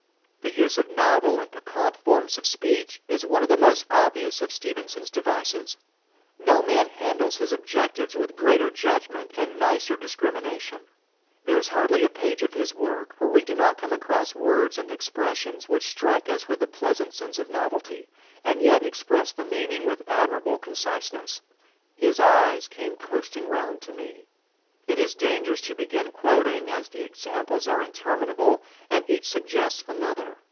The use of novel and piquant forms of speech is one of the most obvious of Stevenson's devices. No man handles his adjectives with greater judgment and nicer discrimination. There is hardly a page of his work where we do not come across words and expressions which strike us with a pleasant sense of novelty, and yet express the meaning with admirable conciseness. "His eyes came coasting round to me." It is dangerous to begin quoting, as the examples are interminable, and each suggests another.